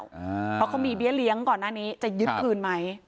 เพราะเขามีเบี้ยเลี้ยงก่อนหน้านี้จะยึดคืนไหม